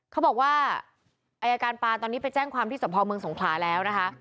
เขาบอกว่าอายการปานตอนนี้ไปแจ้งความที่สะพอเมืองสงขลาแล้วนะคะ